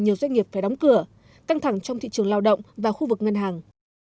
nhiều doanh nghiệp phải đóng cửa căng thẳng trong thị trường lao động và khu vực ngân hàng